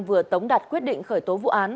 vừa tống đặt quyết định khởi tố vụ án